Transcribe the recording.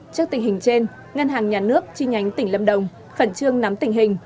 trước tình hình trên ngân hàng nhà nước chi nhánh tỉnh lâm đồng khẩn trương nắm tình hình